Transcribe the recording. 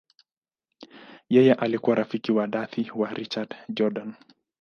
Yeye alikuwa rafiki wa dhati wa Richard Jordan.